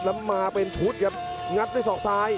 แล้วมาเป็นชุดครับงัดด้วยศอกซ้าย